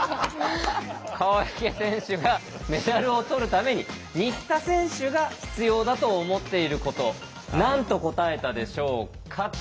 川除選手がメダルを取るために新田選手が必要だと思っていること何と答えたでしょうか？